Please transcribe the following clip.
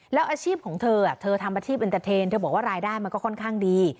แล้วอาชีพของเธอเธอทำอาชีพเอ็นเตอร์เทนเธอบอกว่ารายได้มันก็ค่อนข้างดี